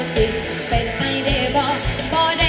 ทุกนะครับ